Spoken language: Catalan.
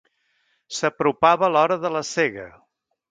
S'apropava l'hora de la sega.